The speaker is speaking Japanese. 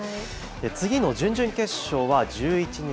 次の準々決勝は１１日。